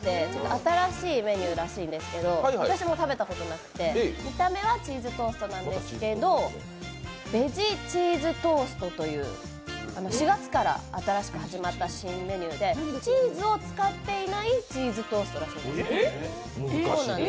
新しいメニューらしいんですけど、私も食べたことなくて、見た目はチーズトーストなんですけど、ベジチーズトーストという、４月から新しく始まった新メニューで、チーズを使っていないチーズトーストらしいです。